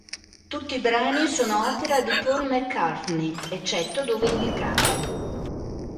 Tutti i brani sono opera di Paul McCartney, eccetto dove indicato.